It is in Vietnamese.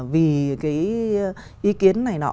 vì cái ý kiến này nọ